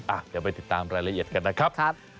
อ่ะเดี๋ยวไปติดตามรายละเอียดกันนะครับ